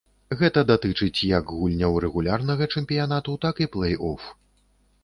Гэта датычыць як гульняў рэгулярнага чэмпіянату, так і плэй-оф.